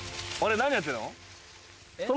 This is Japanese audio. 何やってんの？